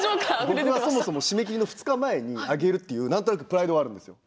僕はそもそも締め切りの２日前に上げるっていう何となくプライドがあるんですよ。